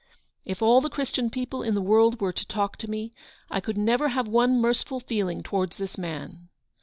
If all the Christian people in the world were to talk to me, I could never have one merciful feeling towards this man.